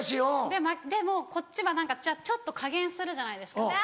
でもこっちはじゃあちょっと加減するじゃないですか。